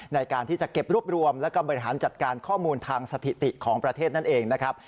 ในการที่จะเก็บรวบรวมแล้วก็บริหารจัดการข้อมูลทางสถิติของประเทศนั่นเองนะครับ